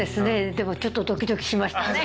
でもちょっとドキドキしました。